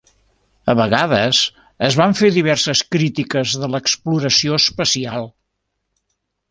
A vegades, es van fer diverses crítiques de l'exploració espacial.